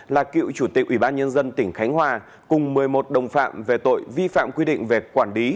là cựu chủ tịch ủy ban nhân dân tỉnh khánh hòa cùng một mươi một đồng phạm về tội vi phạm quy định về quản lý